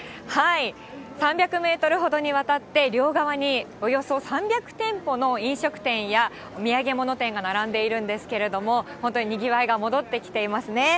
３００メートルほどにわたって両側におよそ３００店舗の飲食店や、土産物店が並んでいるんですけれども、本当ににぎわいが戻ってきていますね。